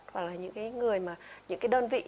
hoặc là những cái đơn vị